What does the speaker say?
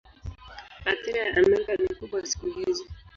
Athira ya Amerika ni kubwa siku hizi.